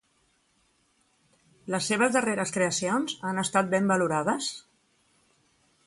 Les seves darreres creacions han estat ben valorades?